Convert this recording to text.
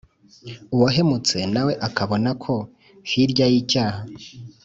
uwahemutse nawe akabona ko hirya y’icyaha